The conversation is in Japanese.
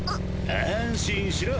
安心しろ。